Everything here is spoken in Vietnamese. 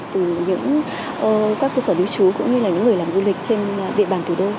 từ những các cơ sở lưu trú cũng như là những người làm du lịch trên địa bàn thủ đô